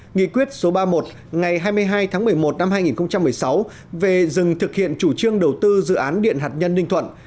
nghị quyết số ba mươi một ngày hai mươi hai tháng một mươi một năm hai nghìn một mươi sáu về dừng thực hiện chủ trương đầu tư dự án điện hạt nhân ninh thuận